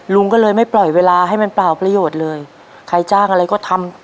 ลุงก็เลยไม่ปล่อยเวลาให้มันเปล่าประโยชน์เลยใครจ้างอะไรก็ทำ